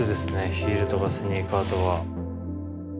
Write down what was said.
ヒールとかスニーカーとか。